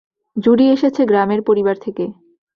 জুডি এসেছে গ্রামের পরিবার থেকে।